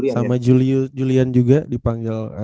sama julian juga dipanggil